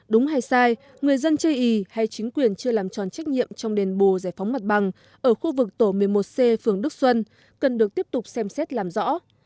đúng hay sai người dân chê ý hay chính quyền chưa làm tròn trách nhiệm trong đền bù giải phóng mặt bằng ở khu vực tổ một mươi một c phường đức xuân cần được tiếp tục xem xét làm rõ